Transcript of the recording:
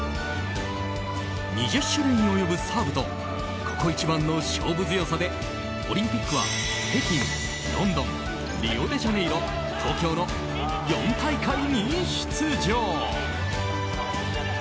２０種類に及ぶサーブとここ一番の勝負強さでオリンピックは北京、ロンドンリオデジャネイロ、東京の４大会に出場。